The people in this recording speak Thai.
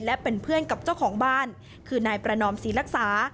และเป็นเพื่อนกับเจ้าของบ้านคือนายประนอมศรีรักษา